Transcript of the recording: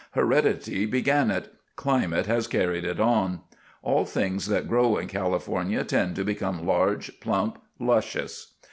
Heredity began it; climate has carried it on. All things that grow in California tend to become large, plump, luscious.